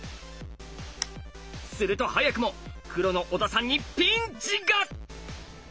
すると早くも黒の小田さんにピンチが！